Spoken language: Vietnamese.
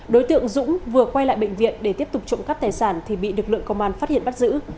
đối tượng dũng vừa quay lại bệnh viện để tiếp tục trộm cắp tài sản thì bị lực lượng công an phát hiện bắt giữ